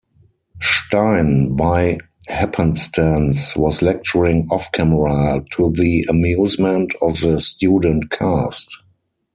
Stein, by happenstance, was lecturing off-camera to the amusement of the student cast.